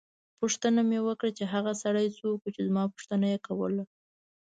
پوښتنه مې وکړه چې هغه سړی څوک وو چې زما پوښتنه یې کوله.